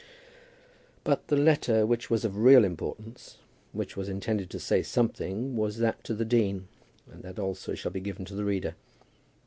But the letter which was of real importance, which was intended to say something, was that to the dean, and that also shall be given to the reader.